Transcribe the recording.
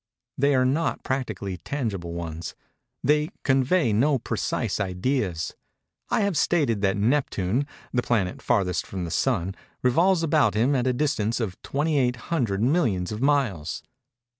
They are not practically tangible ones. They convey no precise ideas. I have stated that Neptune, the planet farthest from the Sun, revolves about him at a distance of 28 hundred millions of miles.